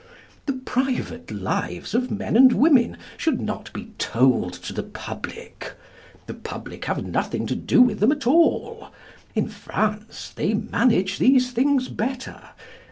The private lives of men and women should not be told to the public. The public have nothing to do with them at all. In France they manage these things better.